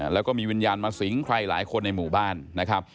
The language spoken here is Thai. แล้วก็มีวิญญาณมาสิงใครหลายคนในหมู่บ้านนะครับ